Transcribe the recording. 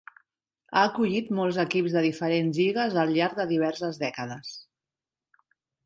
Ha acollit molts equips de diferents lligues al llarg de diverses dècades.